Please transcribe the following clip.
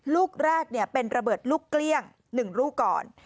ลูกแรกเป็นระเบิดลูกเกลี้ยง๑ลูกก่อน